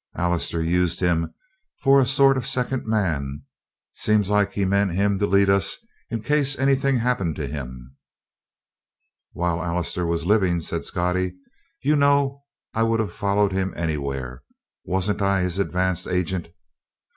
"Allister used him for a sort of second man; seemed like he meant him to lead us in case anything happened to him." "While Allister was living," said Scottie, "you know I would of followed him anywhere. Wasn't I his advance agent?